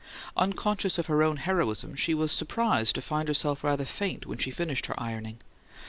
Unconscious of her own heroism, she was surprised to find herself rather faint when she finished her ironing.